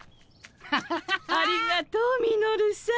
ありがとうミノルさん。